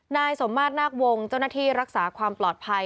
นายสมมาตรนาควงเจ้าหน้าที่รักษาความปลอดภัย